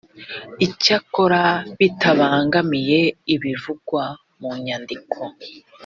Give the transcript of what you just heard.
icyakora bitabangamiye ibivugwa mu nyandiko